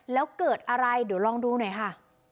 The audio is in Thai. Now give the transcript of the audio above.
แล้วเกิดอะไรเดี๋ยวลองดูหน่อยค่ะ